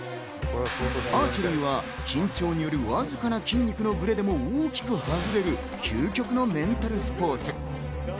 アーチェリーは緊張によるわずかな筋肉のブレでも大きく外れる究極のメンタルスポーツ。